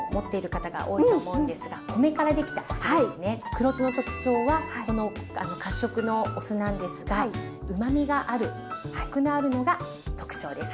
黒酢の特徴はこの褐色のお酢なんですがうまみがあるコクのあるのが特徴です。